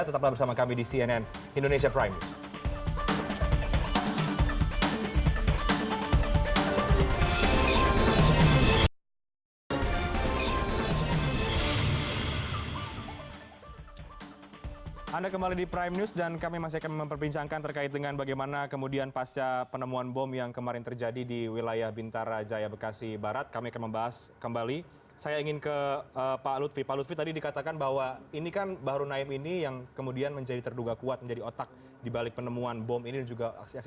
tetaplah bersama kami di cnn indonesia prime news